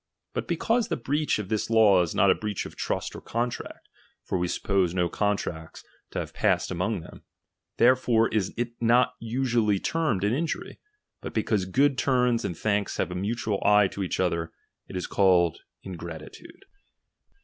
But because the breach of this law is not a breach of trust or contract, (for we suppose no contracts to have passed among them), therefore is it not usually termed an injury ; but because good turns and thanks have a mutual eye to each other, it is called ingratitude.